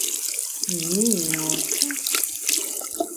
Mi mi ort̆u?